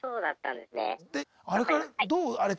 であれからどう？